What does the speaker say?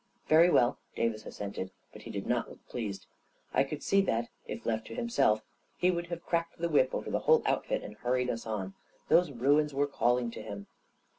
" Very well," Davis assented, but he did not look pleased. I could see that, if left to himself, he would have cracked the whip over the whole outfit and hurried us on. Those ruins were calling him!